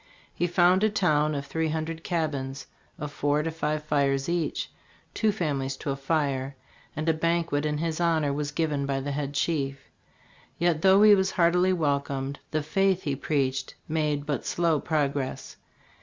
He found a town of three hundred cabins, of four to five fires each, two families to a fire; and a banquet in his hon or was given by the head chief. Yet, though he was heartily welcomed, the faith he preached made but slow progress.